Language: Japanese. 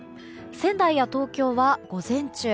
仙台や東京は午前中